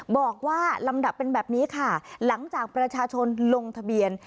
บอกว่าลำดับเป็นแบบนี้ค่ะหลังจากประชาชนลงทะเบียน